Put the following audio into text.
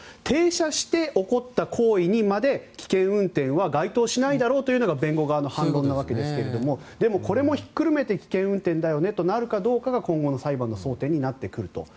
停車して起こった行為にまで危険運転は該当しないだろうというのが弁護側の反論ですがこれをひっくるめて危険運転だよねとなるかどうかが今後の裁判の争点になってくると。